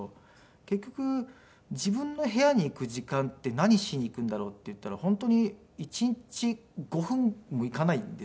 結局自分の部屋に行く時間って何しに行くんだろうっていったら本当に一日５分も行かないんですよ。